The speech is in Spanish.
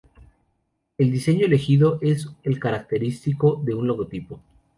El diseño elegido es el característico de un logotipo.